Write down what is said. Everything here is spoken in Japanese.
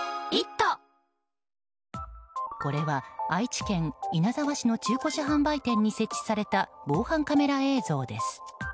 これは、愛知県稲沢市の中古車販売店に設置された防犯カメラ映像です。